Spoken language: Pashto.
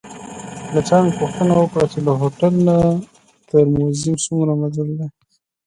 له چا مې پوښتنه وکړه چې له هوټل نه تر موزیم څومره مزل دی؟